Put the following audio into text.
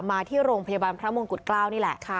มาที่โรงพยาบาลพระมงกุฎเกล้านี่แหละ